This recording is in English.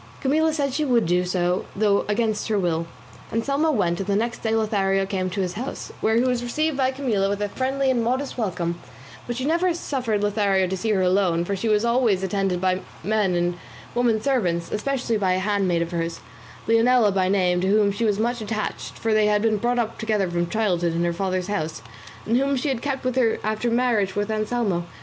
Camilla said she would do so, though against her will. Anselmo went, and the next day Lothario came to his house, where he was received by Camilla with a friendly and modest welcome; but she never suffered Lothario to see her alone, for she was always attended by her men and women servants, especially by a handmaid of hers, Leonela by name, to whom she was much attached (for they had been brought up together from childhood in her father's house), and whom she had kept with her after her marriage with Anselmo.